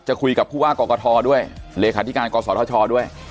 จะคุยกับผู้ว่ากอกกท้อด้วยรรข์ดิการก่อนศจทธชน์ด้วย